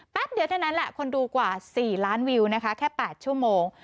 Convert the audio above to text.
แป๊บเดี๋ยวถ้านั้นแหละคนดูกว่า๔ล้านวิวแค่๘ชั่วโมง